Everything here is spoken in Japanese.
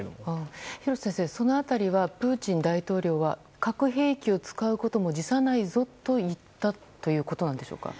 廣瀬先生、その辺りはプーチン大統領は核兵器を使うことも辞さないぞといったということでしょうか。